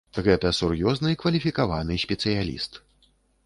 Гэта сур'ёзны, кваліфікаваны спецыяліст.